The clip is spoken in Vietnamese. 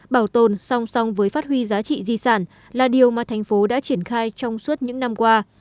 bảo tồn song song với phát huy giá trị di sản là điều mà thành phố đã triển khai trong suốt những năm qua